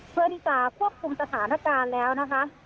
เพื่อที่จะควบคุมสถานการณ์แล้วนะคะ